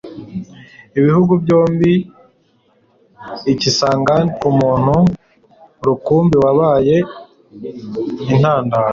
ibihugu byombi i kisangani nk'umuntu rukumbi wabaye intandaro